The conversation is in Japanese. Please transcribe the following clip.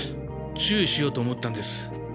注意しようと思ったんです。